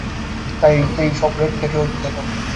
তাতেই সব ঢেকে রেখে অদ্ভুত দেখায়।